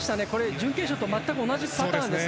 準決勝と同じパターンです。